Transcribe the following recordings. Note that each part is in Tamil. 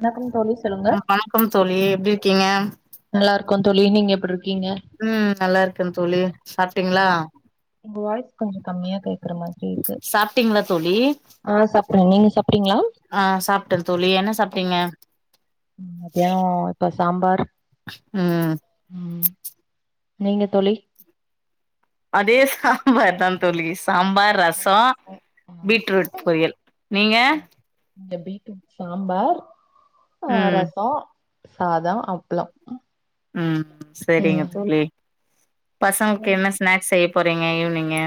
வணக்கம் தோழி சொல்லுங்க வணக்கம் தோழி எப்படி இருக்கீங்க நல்லா இருக்கோந் தோழி நீங்க எப்டி இரு ம் நல்லா இருக்கேன் தோழி சாப்ட்டீங்ளா ஆமா உங்க வாய்ஸ் கொஞ்சோ கம்மியா கேக்குற மாதிரி இருக்கு சாப்ட்டீங்ளா தோழி ஆ சாப்ட்றே நீங்க சாப்ட்டீங்களா ஆ சாப்ட்டன் தோழி என்ன சாப்ட்டீங்க மத்தியானோ இப்ப சாம்பார் ம் ம் நீங்க தோழி அதே சாம்பார்தான் தோழி சாம்பார் ரசோ பீட்ரூட் பொரியல் நீங்க ஆ இங்க பீட்ரூட் சாம்பார் ஆ ம் ரசோ சாதோ அப்ளோ ம் சரிங்க ம் தோழி பசங்களுக் ம் என்ன ஸ்னாக்ஸ் செய்யப் போறீங்க ஈவ்னீங்கு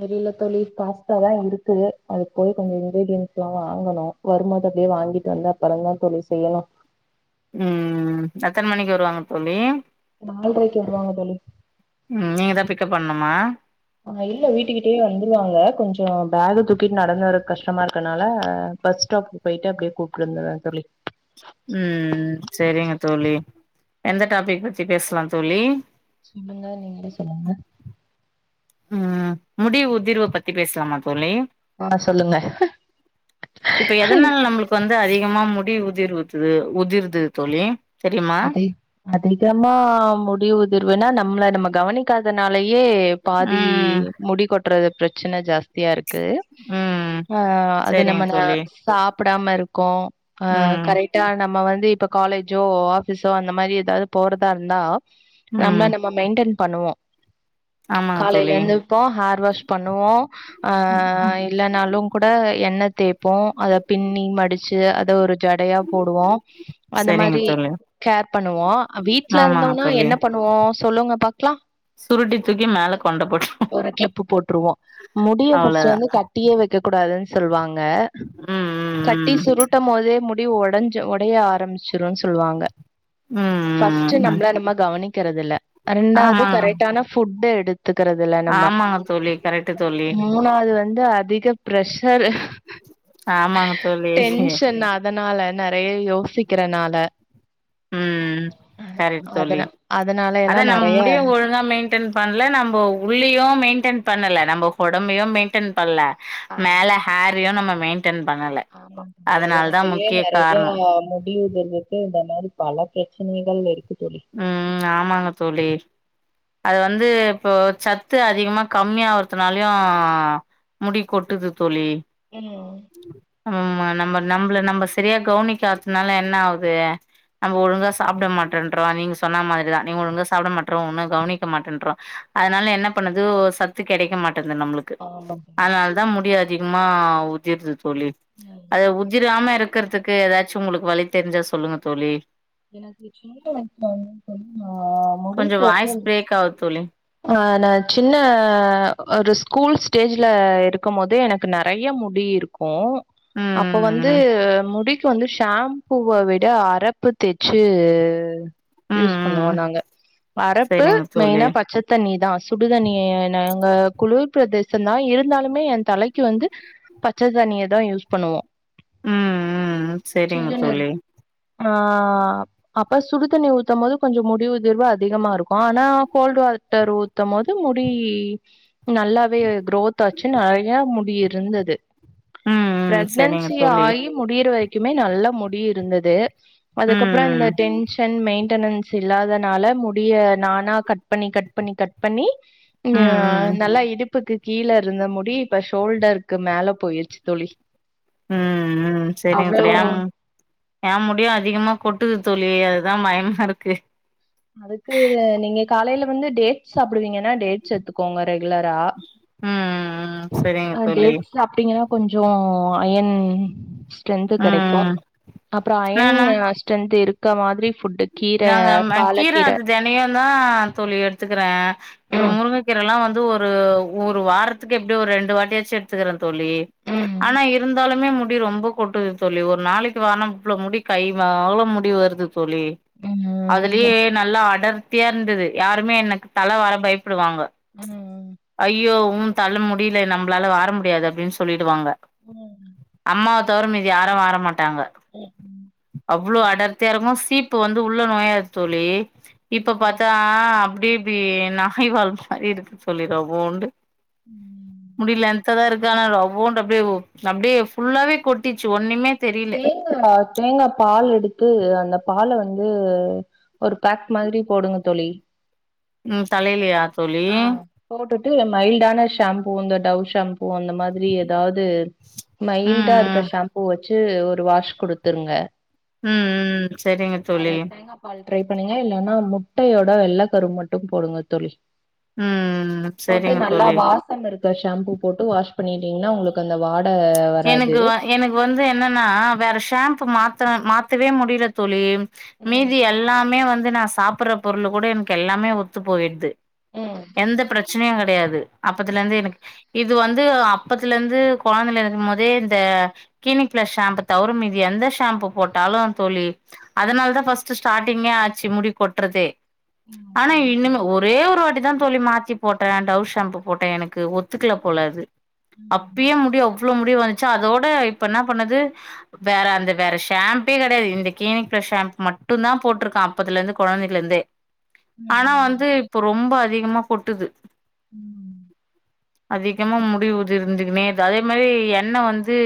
தெரில தோழி பாஸ்தாதா இருக்கு அது போய் கொஞ்சோ இன்கிரீடியன்ஸ் ஆ வாங்கணு வரும்போது அப்டியே வாங்கிட்டு வந்து அப்புறந்தா தோழி செய்யணு ம் எத்தன மணிக்கு வருவாங்க தோழி நால்ரைக்கு வருவாங்க தோழி ம் நீங்க தான் பிக்கப் பண்ணுமா ஆஹ் இல்ல வீட்டுக்கிட்டயே வந்துருவாங்க கொஞ்ஜோ பேக தூக்கிட்டு நடந்து வர கஷ்டமா இருக்கனால பஸ் ஸ்டாப்கு பொயிட்டு அப்டியே கூப்ட்டு வந்துரு தோழி உம் செரிங்க தோழி எந்த டாபிக் பத்தி பேஸ்லா தோழி சொல்லுங்க நீங்களே சொல்லுங்க ம் முடி உதிர்வ பத்தி பேசலாமா தோழி ஆ சொல்லுங்க இப்ப எதனால நம்மளுக்கு வந்து அதிகமா முடி உதிர்வூத்துது உதிர்து தோழி தெரியுமா அது அதிகமா முடி உதிர்வுன்னா நம்ள நம்ம கவனிக்காதனால யே பாதி ம் முடி கொட்றது பிரச் ச்சன ஜாஸ்தியா இருக் கு ம் ஆ அது சரிங்க நம்மன தோழி சாப் டாம இருக்கோ ஆ ம் கரெட்டா நம்ப வந் இப்ப காலேஜ்ஜோ ஆ பீஸ்சோ அந்த மாரி ஏதாது போறதா இருந்தா நம்ப ம் நம்ப மெயின்டென் பண்ணுவோ ஆமாங்க காலைல தோழி எந்திர்போ ஹேர் வாஷ் பண்ணுவோ ம் ஆஹ் இல்லன்னாலு குட எண்ணெ தேப்போ அத பின்னி மடிச்சி அத ஒரு ஜடையா போடுவோ அந்த சரிங்க மாரி தோழி கேர் பண்ணுவோ அ வீட்ல ஆமாங்க இருந்தோனா தோழி என்ன பண்ணுவோ சொல்லுங்க பாக்லா சுருட்டி தூக்கி மேல கொண்ட போட்ரு ஒரு கிளிப்பு போட்ருவோ முடிய ஃபர்ஸ்ட்டு அவ்ளோதா வந்து கட்டியே வை க்கக் கூடாதுன்னு சொல்வாங்க ம் கட்டி ம் சுருட்ட மோது முட் அப்டி ஒடஞ்சி ஒடைய ஆரமிச்சிருன்னு சொல்வாங்க ம் ம் ஃபஸ்ட்டு ம் ம் நம்ள நம்ப கவனிக் கறதில்ல ரெண்டாவ்து ஆமாங்க கரெட்டான ஃபுட் எடுத் த்துக்கறது இல்ல நம்ப ஆமாங்க தோழி கரெக்ட்டு தோழி மூனாது வந் து அதிகப் ப்ரெஷெரு ஆமாங்க தோழி டென்ஷன் அதனால நெறைய யோசிக்கறனால ம் கரெட் தோழி அதனால எல்லா அதா நம் நெறைய முடிய ஒழுங்கா மெயின்டென் பண்ல நம்ப உள்ளியு மெயின்டென் பண்ணல நம்ம கொடம்பயு மெயின்டென் பண்ல ஆ மேல ஹேர் த்ரியு நம்ம மெய்ன் ஆமா முடியாதனாலயே முக்கிய நெறையா காரணோ முடி உதற்வுக்கு இந்த மாரி பல ப்ரச்சனைகள் இருக் ம் ஆமாங்க தோழி அது வந்து இப்போ சத்து அதிகமா கம்மியாவ்றதுனாலியு முடி கொட்டுது தோழி ம் [unintelligible] நம்ப நம்ப்ள நம்ப சரியா கவ்னிக்காத்னால என்னா ஆவ்து நம்ம ஒழுங்கா சாப்டமாட்றந் ட்ருவா நீங் சொன்னா மாரி தா நீங்க ஒழுங்கா சாப்ட மாட்ற ஒன்னு கவ்னிக்க மாட்டன்றோ அதனால என்ன பண்ணது ஓ சத்து கெடைக்க மாட் டுது நம்புளுக்கு ஆமா தோழி அத்னால் தா முடியாத் திக்மா உதிர்து தோழி ம் அது உதிராம இருக் குற்துக்கு எதாச்சு உங்ளுக்கு வழி தெரிஞ்சா சொல்லுங்க தோழி எனக்கு [unintelligible] கொஞ்சோ முடிக் வாய்ஸ் வந்து பிரேக் ஆவுது தோழி அ நா சின்ன ஒரு ஸ்கூல் ஸ்டேஜ்ல இருக்குமோது எனக்கு நறைய முடி இருக்கு ம் அப்ப வந்து ம் முடிக் கு வந்து ஷாம்புவ விட அரப்பு தேச்சு யூஸ் பண்ணுவோ ம் ம் நாங்க அரப்பு செரிங்க தோழி மெய்னா பச்சத் ணி தா சுடுதண்ணிய நாங்க குளிர் பிரதேசந்தா இருந்தாலுமே ஏ தலக்கு வந்து பச்ச தண்ணிய தா யூஸ் பண்ணுவோ ம் ம் ம் செரிங் இரு தோழி ஆ அப்ப சுடு தண்ணி ஊத்தமோது கொஞ்ச முடி உதிர்வு அதிகமா இருக்கு ஆனா கோல்டு வா டர் ஊத்தமோது முடி நல்லாவே எ க்ரோத் ஆச்சு நறையா முடி இ ருந்தது ம் ம் செரிங்க பிரெக்னன்ஸி தோழி ஆயி முடியறவரைக் க்குமே நல்ல முடி இருந்தது அதுக்கப்றோ இந்த ம் டென்ஷன் மெய்ண் ட்டனன்ஸ் இல்லாதனால முடிய நானா கட் பண்ணி கட் ட் பண்ணி கட் பண்ணி ம் ன்யா ம் நல்லா இடுப்புக்கு கீழ இருந்த முடி இப்ப ஷோல்டருக்கு மேல போயிர்ச்சு தோழி ம் ம் செரிங்க அவ்ளோ தோழி ஏம் ஏ முடியு அதிகமா கொட்டுது தோ ழி அது தா மயமா இருக்கு அதுக்கு நீங்க காலைல வந்து டேட்ஸ் சாப்புடுவீங்கனா டேட்ஸ் எத்துக்கோங்க ரெகுலரா ம் ம் செரிங்க ஆ தோழி டேட்ஸ் சாப்ட்டீங்கனா கொஞ்சோ அயன் ட்ரென்த்து கெடைக்கு ம் அப்றோ நானா அயன்னு ஆ ஸ்ட்ரென்த்து இரு க்க மாதிரி ஃபுட்டு கீர நாங்க ம கீர பாலக்கீர அது தெனயுந்தா தோழி எடுத்துக்கிற இப்ப ம் முருங்க கீரல்லா வந் து ஒரு ஒரு வாரத்துக்கு எப்டியு ஒரு ரெண்டு வாட்டியாச்சு எட்த்துக்கற தோழி ம் ஆனா இருந்தாலுமே மு முடி ரொம்ப கொட்டுது தோழி ஒரு நாளைக்கு வார்னா இவ்ளோ முடி கை [unintelligible] அவ்ளோ முடி வருது தோழி ம் அதுலியே நல்லா அடர் த்தியா இருந்துது யாருமே எனக்கு தல வார பயப் புடுவாங்க ம் ஐயோ உ தல முடில நம்ப்ளால வார முடியாது அப்டின் சொல்லிடுவாங்க ம் அம்மாவ தவர மீதி யாரு வாரமாட் ம் ம் வ்ளோ அடர்த்தியா இருக்கு சீப் பு வந்து உள்ள நோயாத் தோழி இப்ப ம். பாத்தா அப் டி இப்டி நாய்வால் மாரி இருக்கு சொல்லிர்றா ஓண்டு ம். முடி லென்த்தா தா இருக் கானாலு ஓண்டு அப்டியே ஓ அப்டே ஃபுல்லாவே கொட்டிர்ச்சு ஒன்னிம்மே தேங்கா தேங்கா பால் எடுத்து அந்த பால வந் து ஒரு பேக் மாதிரி போடுங்க தோழி ம் தலைலியா தோழி டு மைல்டான ஷேம்ப்பு அந்த டவ் ஷேம்ப் பு அந்த மாதிரி எதாவது ம் மைல்டா ம் இருக்கற் ஷேம்ப்பு வ ச்சு ஒரு வாஷ் குடுத்துருங்க ம் ம் செரிங்க தோழி அத தேங்கா பால் ட்ரை பண்ணுங்க இல்லனா முட்டையோட வெள்ள கரு மட்டு போடுங்க தோழி ம் போட்டு செரிங்க நல்லா தோழி வாசம் இருக்க ஷேம்ப்பு போட்டு வாஷ் பண்ணீட்டீங் னா உங்களுக்கு அந்த வா எனக்கு வ எனக்கு வந்து என்னன்னா வேற ஷாம்பு மாத்த மாத்தவே முடியல தோழி ம் மீதி எல்லாமே வந் நான் சாப்படற பொருள் கூட எனக்கு எல்லாமே ஒத்து போயிடுது ம். எந்த பிரச் கிடையாது அப்பத்தல இருந்து எனக்கு இது வந்து அப்பத்தில இருந்து கொழந்தல இரு மோதே இந்த கிளினிக் பிளஸ் ஷாம்பு தவுர மீது எந்த ஷாம்பு போட்டாலு தோழி அதனால தான் பர்ஸ்ட் ஸ்டார்ட்டிங்கே ஆச்சு முடி கொட்ரதே ம் ஆனா சரிங்க இன்னுமே தோழி. ஒரே ஒரு வாட்டி தா தோழி மாத்தி போட்ட டவ் ஷாம்பு போட்ட எனக்கு ஒத்துக்குல போல அது ம் அப்பியே முடி முடி வந்துச்சா அதோட இப்ப இன்ன பண்ணது வேற அந்த வேற ஷாம்பே கடையாது இந்த கினிக் ப்ளஷ் ஷம்பு மட்டு தா போட்டிருக்க அப்பதுல இருந்து கொழந்தல இருந்தே ஆனா வந்து ம் இப்ப ரொம்ப திகமா கொட்டுது ம் அதிகமா முடி உதிர்ந்துக்குனே தாதே மரி எண்ண வந்து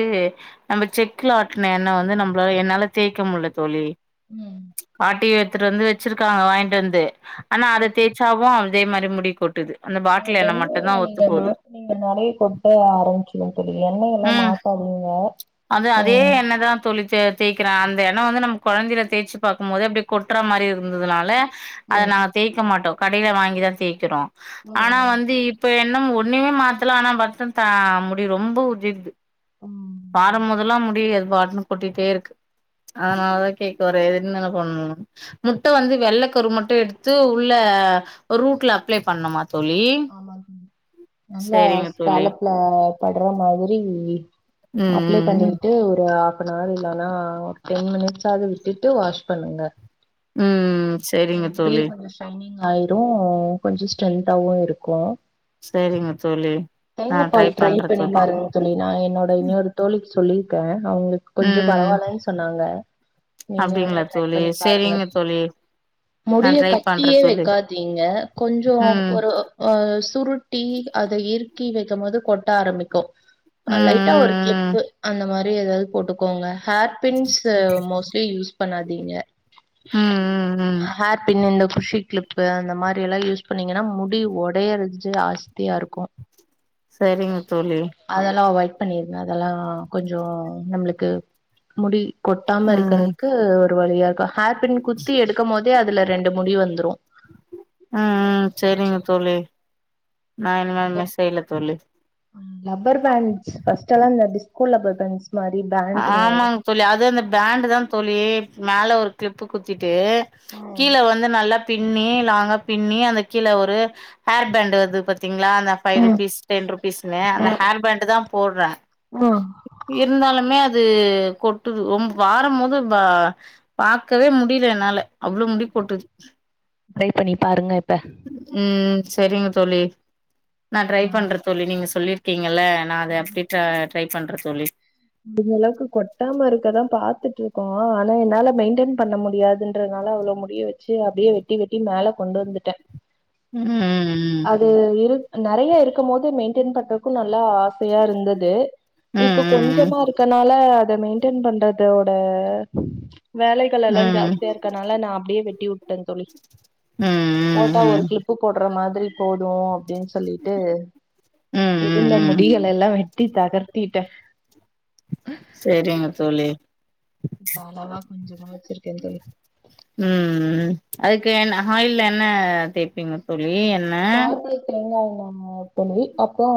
நம்ம செக்குல ஆட்டுன எண்ணெய் வந்து நம்மள என்னால தேக்க முல்ல தோழி ம் ஆட்டியே துட்டு வந்து வெச்சிருக்காங்க வாய்ட்டு வந்து ஆனா அத ஓகே தேய்ச்சாவு தே மாரி முடி கொட்டுது அந்த ஆ பாட்டில் எண்ணெ எண்ணய மட்டுந்தா ஒத்து நீங்க போது மாத்ணீங்கனாலே கொட்ட ஆரமிச்சிரு எண்ணயலா ம் மாத்தாதிங்க ம் தேய்க்கிறா அந்த எண்ண வந்து நம்ம கொழந்தைல தேச்சு பாக்கும் போது அப்டே கொட்ற மாரி இருந்ததுனால அத ம் நா தேய்க்க மாட்டோ கடைல வாங்கி தா தேய்கிறோ ஆனா ம் வந்து இப்ப எ இன்னு ஒன்னுமே மாத்தலா ஆனா வர்சத்த முடி ரொம்போ உ தீர்து ம் பாடம் மொதுல்லா முடியது வாட்ன கொட்டிட்டே இருக்கு அதனாலதா கேக்க வரே என்னன்னா பண்ணனு முட்டை வந்து வெள்ள கரு மட்டு எடுத்து உள்ள ரூட்ல அப்ளே பண்ணுமா தோழி ஆமாங் தோழி நல்லா சேரிங்க தோழி ஸ்கேலப்ல பட்ற மாரி ரி இ இ ம் அப்ளே ம் பண்ணிக்ட்டு ஒரு அ அப்ப நார்து இல்லனா ஒரு டென் மினிட்ஸ்ஸாவது விட்டுட்டு வாஷ் பண்ணுங்க ம் ம் சரிங்க தோழி ஆயிரும் கொஞ்சம் ஸ்ட்ரென்த்தாவும் இருக்கு கும் சேரிங்க தோழி நா தேங்கா பால் ட்ரை பண்றே பண்ணி தோழி பாருங்க தோழி நான் என்னோட இன்னொரு தோழிக்கு சொல்லி ருக்கேன் அவங்களுக்கு கொஞ்சம் ம் பரவாயில்லன்னு சொன்னாங்க நீங்க வேனா அப்டிங்களா ட்ரை தோழி பண்ணி பாருங்க சேரிங்க தோழி நா முடிய ட்ரை பண்றே கட்டியே தோழி வைக்காதீங்க கொஞ்சம் ம் ஒரு ஆ சுருட்டி அத இருக் ருக்கி வைக்கும் போது கொட்ட ஆரம்பிக்கும் ம் லைட்டா ஒரு ம் ஃகிளிப்பு அந்த மாரி ஏதாவது போட்டுக்கோங்க ஹேர் பின்ஸ் மோஸ்ட்லி யூஸ் பண்ணாதீங்க ம் ம் ம் ம் ஹேர் பின்னு அந்த குஷி ஃகிளிப்பு அந்த மாரி எல்லாம் யூஸ் பண்ணீங்கன்னா முடி உடையறது ஜாஸ்தியா இருக்கும் சரிங்க தோழி அவாய்ட் பண்ணிருங்க அதெல்லாம் கொஞ்சம் நம்மளுக்கு முடி கொட்டாம ம் ம் இருக்கறதுக்கு ஒரு வழியாக்கா ஹேர் பின் குத்தி எடுக்கம் போது அதுல ரெண்டு முடி வந்துரும் ம் ம் சரிங்க தோழி நான் இனிமே அந்த மாரி செய்ல தோழி லப்பர் பேண்ட் ஃபர்ஸ்ட் எல்லாம் இந்த டிஸ்கோ லப்பர் பேண்ட்ஸ் மாரி பேண்டுங்க வரு ஆமாங்க தோழி அது அந்த பேண்டு தான் தோழி மேல ஒரு கிளிப்பு குத்திட் ட்டு கீழே வந்து நல்லா பின்னி லாங்கா பின்னி அந்த கீழே ஒரு ஹேர் பேண்ட் வருது பத்தி ங்களா அந்த பைருபீஸ் டென் ருபீஸ் ன்னு அந்த ம் ஹே்பண்ட் தான் போடுற ஆ இருந்தாலும் ம அது கொட்டுது வாரம் போதும் பார்க்கவே முடியல என்னால அவ்வளவு முடி போட்டுது ட்ரை பண்ணி பாருங்க இப்ப ம் சரிங்க தோழி நான் ட்ரை ஆ பண்ற தோழி நீங்க சொல்லி ங்கல நான் அதை எப்ப்ட ட்ரை பண்ற தோழி எல்லாக்கு கொட்டாம இருக்கதா பாத்துட்ருக்கோ ஆனா என்னால மெயின்டெயன் பண்ண முடியாதுன்றனால அவ்ளோ வெச்சு அப்டியே வெட்டி வெட்டி மேல கொண்டு வந்துட்ட ம் அது இரு நறைய இருக்கமோது மெயின் தின் பண்றக்கு நல் லா ஆசயா இருந்தது ம் ம் இப்ப கொஞ்ச ம் ச்சமா இருக்கனால அத மெயின்டென் பண்றதோட வேலைகள் ம் ம் எல்லா ம் ஜாஸ்தியா இருக்கனால நா அப்டியே வெட்டி உட்ட தோழி ம் ஓட்டா ம் ஒரு ம் க்ளிப்பு போட்றமாத்ரி த்ரி போது டின் சொல்லிட்டு ம் ம் திருந்த ம் முடியல எல்லா வெட் டி தகர்த்திட்ட சேரிங்க தோழி இப்ப அளவா கொஞ்சமா வச்சிருக்கே தோழி ம் ம் அதுக்கு என் ஹாயில்ல என்ன தேப்பிங்க தோழ் ழி என்ன அ தோழி அப்றோ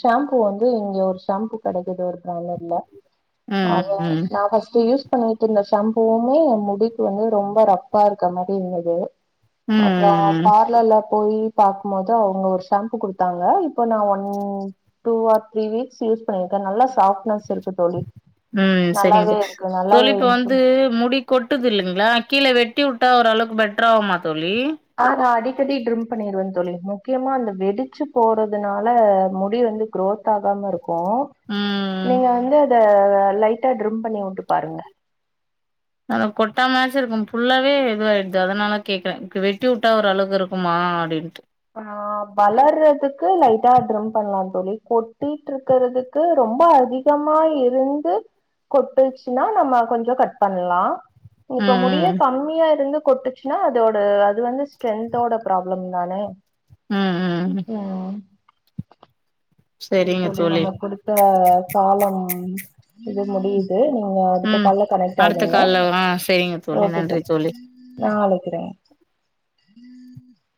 ஷேம்பூ வந்து இங்க ஒரு ஷேம்பூ கெடைக்குது ஒரு பிராண்டட்ல ம் அவ ம் நா ஃபஸ்ட்டு யூஸ் பண்ணிட்டு இருந்த ஷாம்பூவுமே எ முடிக்கு வந்து ரொம்ப ரப்பா இருக்க மாதுரி இருந்துது ம் அப்றோ ம் பார்லர்ல போயி பாக்மோது அவுங்க ஒரு ஷாம்பு குடுத்தாங்க இப்ப நா one two or three weeks use பண்ணிருக்க நல்லா சாஃப்ட்னஸ் இருக் ம் செரிங்க தோழி நல்லாவே இப்ப இருக்கு வந்து முடி கொட்டுது இல்லைங்ளா கீழ வெட் டி உட்டா ஓர் அளவ்க்கு பெட்ராவுமா அ நா அடிக்கடி ட்ரிம் பண்ணிர்வ தோழி முக்கியமா அந்த வெடிச்சு போறதுனால முடி வந்து குரோத் ஆகாம இருக்கு ம் நீங்க வந்து அத லைட்டா டிரிம் பண்ணி விட்டு பாருங்க அதுவ் கொட்டாமாச்சு இருக்கு புல்லாவே இதுவாயிடுது அதனால கேக்குறே வெட்டி விட்டா ஒரு அளவுக்கு இருக்குமா அடின்ட்டு ஆ வளர்றதுக்கு லைட்டா டிரிம் பண்லா தோழி கொட்டிட்ருக்கற்துக்கு ரொம்ப அதிகமா இருந்து கொட்டுச்சுன்னா நம்ம கொஞ்சோ கட் பண்லா இப்ப முடியே ம் கம்மியா இருந்து கொட்டுச்சுன்னா அதோட அது வந்து ஸ்ட்ரென்த்தோட ப்ராப்ளம் தான ம் ம் ம் செரி தோழி நம்மக் குடுத்த காலம் முடிய் து நீங்க அடுத்த ம் கால்ல கனெக்ட் அடுத்த ஆகுங்க கால்ல ஆ செரிங்க ஓகே நன்றி தோழி நாளை கிறே